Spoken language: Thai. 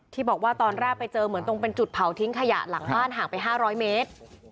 ที่บอกว่าตอนแรกไปเจอเหมือนตรงเป็นจุดเผาทิ้งขยะหลังบ้านห่างไป๕๐๐เมตร